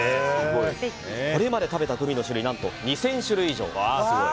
これまで食べたグミの種類何と、２０００種類以上。